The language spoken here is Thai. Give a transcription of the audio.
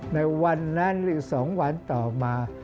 ในวันนั้นหรือ๒วันต่อมา